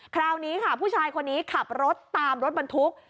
คราวนี้ค่ะผู้ชายคนนี้ขับรถตามรถบรรทุก